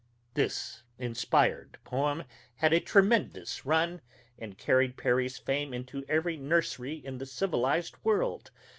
This inspired poem had a tremendous run, and carried Perry's fame into every nursery in the civilized world.